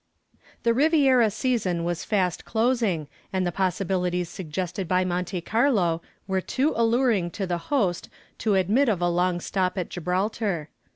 The Riviera season was fast closing, and the possibilities suggested by Monte Carlo were too alluring to the host to admit of a long stop at Gibraltar.